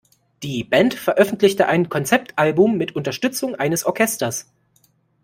Die Band veröffentlichte ein Konzeptalbum mit Unterstützung eines Orchesters.